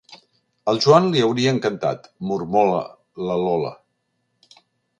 Al Joan li hauria encantat, mormola la Lola.